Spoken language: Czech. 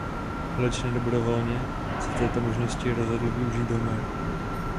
Leč nedobrovolně se této možnosti rozhodl využít Homer.